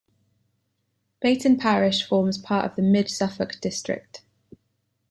Beyton parish forms part of the Mid Suffolk district.